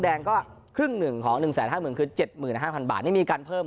แต่ก่อนเหรียญทองอาจจะค่อยหน้ายกว่านี้นะครับ